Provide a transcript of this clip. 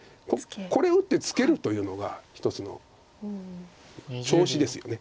これ打ってツケるというのが一つの調子ですよね。